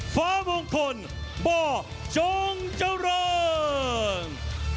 ฟ้าบงคลบ่จงเจ้ารัน